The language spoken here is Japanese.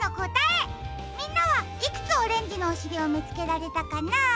みんなはいくつオレンジのおしりをみつけられたかな？